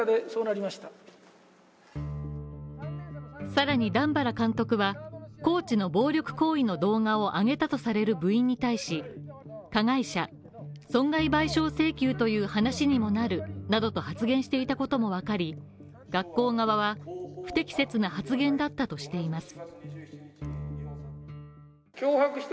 さらに段原監督はコーチの暴力行為の動画を上げたとされる部員に対し加害者、損害賠償請求という話にもなるなどと発言していたこともわかり、学校側は不適切な発言だったとしています。